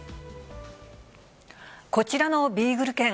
こちらのビーグル犬。